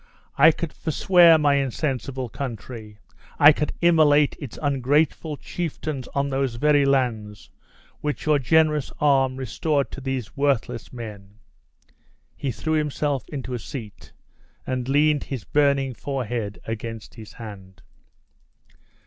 I could forswear my insensible country I could immolate its ungrateful chieftains on those very lands which your generous arm restored to these worthless men!" He threw himself into a seat, and leaned his burning forehead against his hand.